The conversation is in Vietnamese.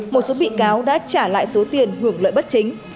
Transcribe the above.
một số bị cáo đã trả lại số tiền hưởng lợi bất chính